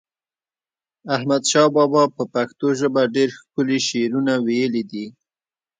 احمد شاه بابا په پښتو ژپه ډیر ښکلی شعرونه وایلی دی